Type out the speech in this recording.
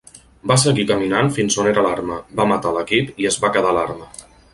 Va seguir caminant fins on era l'arma, va matar l'equip i es va quedar l'arma.